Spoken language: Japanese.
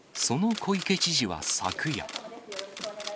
その小池知事は昨夜。